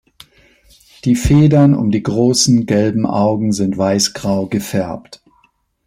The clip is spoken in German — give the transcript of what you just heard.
Die Federn um die großen, gelben Augen sind weißgrau gefärbt.